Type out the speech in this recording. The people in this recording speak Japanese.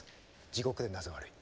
「地獄でなぜ悪い」。